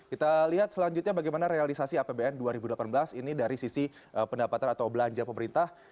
kita lihat selanjutnya bagaimana realisasi apbn dua ribu delapan belas ini dari sisi pendapatan atau belanja pemerintah